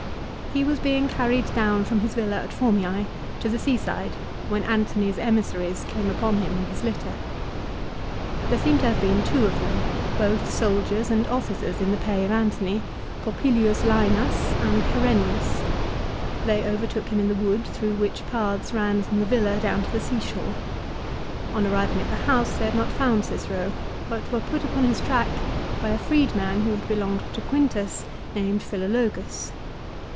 He was being carried down from his villa at Formife to the sea side when Antony's emissaries came upon him CICERO'S DEATH. 295 in his litter. There seem to have been two of them, both soldiers and officers in the pay of Antony, Popilius Lsenas and Herennius. They overtook him in the wood through which paths ran from the villa down to the sea shore. On arriving at the house they had not found Cicero, but were put upon his track by a freed man who had be longed to Quintus, named Philologus.